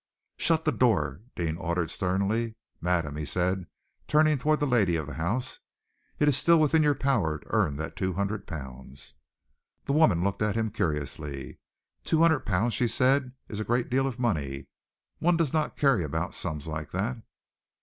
"Shut the door," Deane ordered sternly. "Madam," he said, turning towards the lady of the house, "it is still within your power to earn that two hundred pounds!" The woman looked at him curiously. "Two hundred pounds," she said, "is a great deal of money. One does not carry about sums like that."